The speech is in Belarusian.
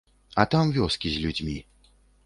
А там вёскі з людзьмі.